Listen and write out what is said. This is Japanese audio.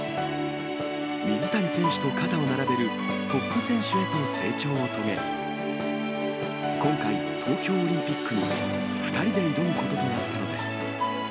水谷選手と肩を並べるトップ選手へと成長を遂げ、今回、東京オリンピックに２人で挑むこととなったのです。